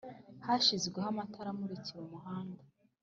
Hashyizweho amatara amurikira umuhanda